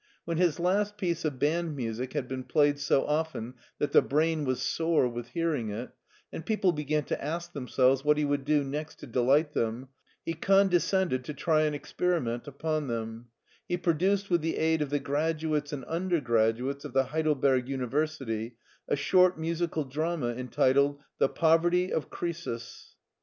When his last piece of band music had been played so often that the brain was sore with hearing it, and people hegaxi to ask themselves what he would do next to delight them, he condescended to try an experi ment upon them: he produced, with the aid of the graduates and undergraduates of the Heidelberg Uni versity, a short musical drama, entitled, " The Poverty of Croesus."